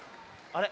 あれ？